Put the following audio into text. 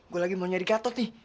gue lagi mau nyari gatot nih